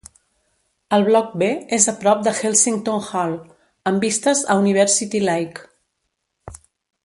El bloc B és a prop de Heslington Hall amb vistes a University Lake.